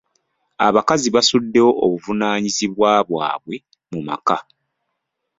Abakazi basuddewo obuvunaanyizibwa bwabwe mu maka.